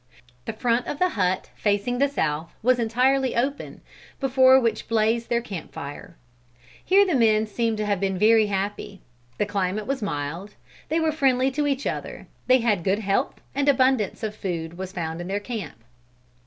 The front of the hut, facing the south, was entirely open, before which blazed their camp fire. Here the men seem to have been very happy. The climate was mild; they were friendly to each other; they had good health and abundance of food was found in their camp.